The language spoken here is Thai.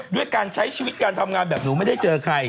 ด้วยการใช้ชีวิตการทำงานแบบหนูไม่ได้เจอใคร